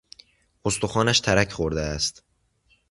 استخوانش ترک خورده است.